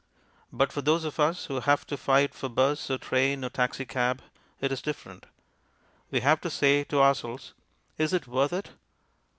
But for those of us who have to fight for bus or train or taxicab, it is different. We have to say to ourselves, "Is it worth it?"